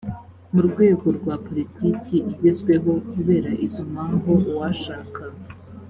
mu rwego rwa poritiki igezweho. kubera izo mpamvu uwashaka